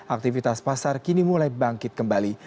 aktivitas pasar kini mulai bangkit kembali